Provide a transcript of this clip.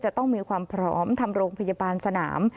จะต้องมีความพร้อมทำโรงพยาบาลสนาม